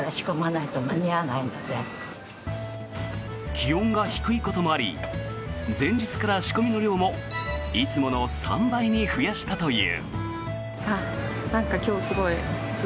気温が低いこともあり前日から仕込みの量もいつもの３倍に増やしたという。